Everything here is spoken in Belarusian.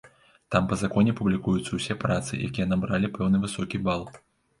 Там па законе публікуюцца ўсе працы, якія набралі пэўны высокі бал.